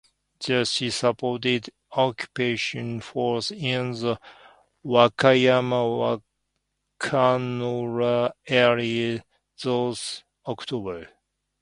There she supported occupation forces in the Wakayama-Wakanoura area through October.